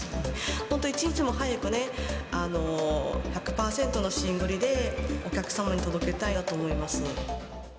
本当、一日も早くね、１００％の新栗で、お客様に届けたいなと思います。